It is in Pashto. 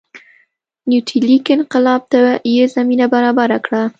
نیولیتیک انقلاب ته یې زمینه برابره کړه